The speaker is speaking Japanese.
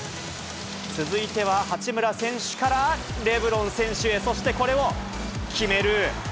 続いては、八村選手からレブロン選手へ、そしてこれも決める。